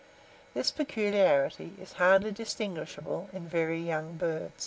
This peculiarity is hardly distinguishable in very young birds.